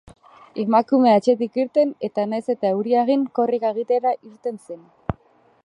Emakumea etxetik irten eta nahiz eta euria egin, korrika egitera irten zen.